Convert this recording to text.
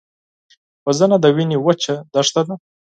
وژنه د وینې وچه دښته ده